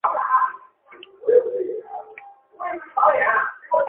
冲绳县的县名取自于冲绳本岛。